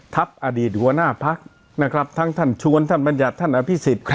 อดีตหัวหน้าพักนะครับทั้งท่านชวนท่านบัญญัติท่านอภิษฎ